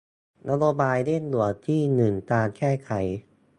นโยบายเร่งด่วนที่หนึ่งการแก้ไข